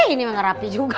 ini kan udah rapi juga